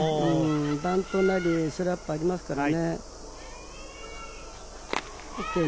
バントなりスラップ、ありますからね。